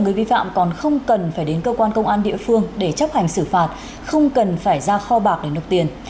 người vi phạm sẽ không phải di chuyển quá xa đi lại quá nhiều lần